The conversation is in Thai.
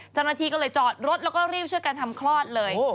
เจ้าหน้าที่ก็เลยจอดรถแล้วก็รีบช่วยกันทำคลอดเลย